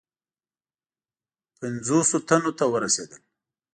پنجوسو تنو ته ورسېدل.